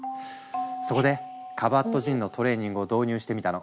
そこでカバットジンのトレーニングを導入してみたの。